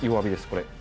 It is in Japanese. これ。